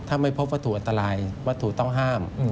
ถ้าไม่พบวัตถุอันตรายวัตถุต้องห้าม